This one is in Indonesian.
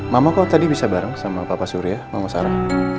mama kalau tadi bisa bareng sama papa surya mama sarah